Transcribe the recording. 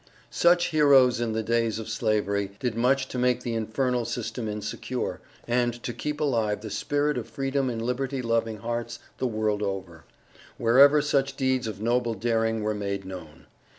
Such heroes in the days of Slavery, did much to make the infernal system insecure, and to keep alive the spirit of freedom in liberty loving hearts the world over, wherever such deeds of noble daring were made known.